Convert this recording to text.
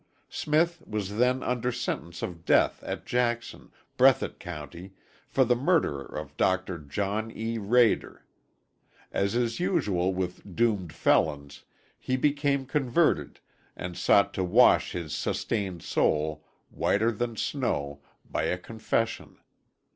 Smith was then under sentence of death at Jackson, Breathitt County, for the murder of Dr. John E. Rader. As is usual with doomed felons, he became converted and sought to wash his sin stained soul whiter than snow by a confession.